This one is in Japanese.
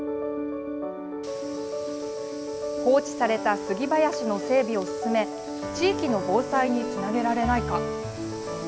放置された杉林の整備を進め地域の防災につなげられないか。